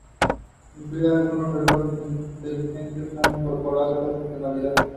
Francisco Robles Ortega, servicio que hasta su nombramiento como Obispo he desempeñado.